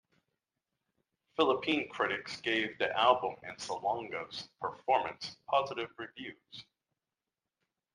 Philippine critics gave the album and Salonga's performance positive reviews.